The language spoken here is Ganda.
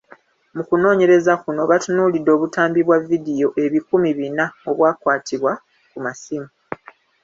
Mu kunoonyereza kuno, batunuulidde obutambi bwa vidiyo ebikumi bina obwakwatibwa ku masimu .